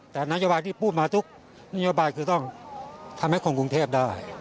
แต่นโยบายที่พูดมาทุกนโยบายคือต้องทำให้คนกรุงเทพได้